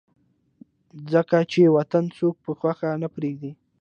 ځکه چې وطن څوک پۀ خوښه نه پريږدي